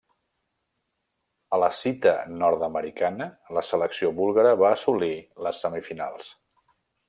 A la cita nord-americana, la selecció búlgara va assolir les semifinals.